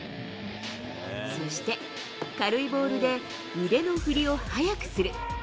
そして軽いボールで腕の振りを早くする。